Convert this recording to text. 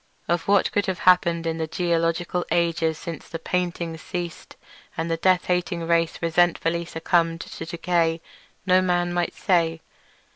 Of what could have happened in the geological aeons since the paintings ceased and the death hating race resentfully succumbed to decay, no man might say.